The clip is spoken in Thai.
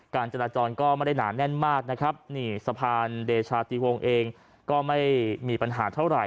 จราจรก็ไม่ได้หนาแน่นมากนะครับนี่สะพานเดชาติวงเองก็ไม่มีปัญหาเท่าไหร